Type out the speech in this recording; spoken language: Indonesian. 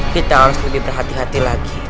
kita harus lebih berhati hati lagi